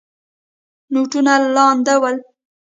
نوټونه لانده ول.